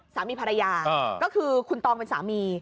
สามีภรรยาก็คือคุณตองเป็นสามี